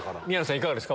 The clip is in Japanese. いかがですか？